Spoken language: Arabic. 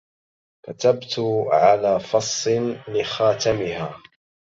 كتبت على فص لخاتمها